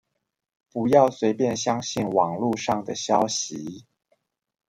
不要隨便相信網路上的消息